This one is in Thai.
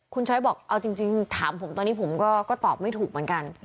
คุณช้อยบอกเอาจริงถามผมตอนนี้ผมก็ตอบไม่ถูกเหมือนกัน